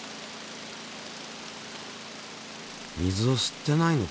水を吸ってないのか？